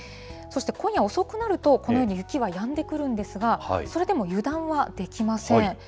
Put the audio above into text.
そして今夜遅くなると、このように雪はやんでくるんですが、それでも油断はできません。